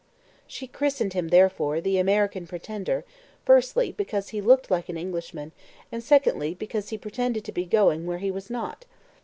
She christened him, therefore, the "American Pretender," firstly, because he looked like an Englishman, and secondly, because he pretended to be going where he was not.